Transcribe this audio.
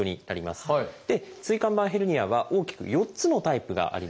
椎間板ヘルニアは大きく４つのタイプがあります。